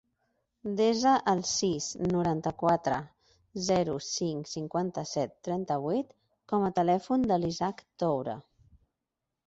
Desa el sis, noranta-quatre, zero, cinc, cinquanta-set, trenta-vuit com a telèfon de l'Isaac Toure.